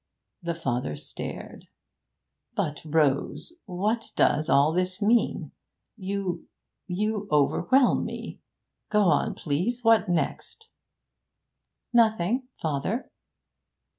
The father stared. 'But, Rose, what does all this mean? You you overwhelm me! Go on, please. What next?' 'Nothing, father.'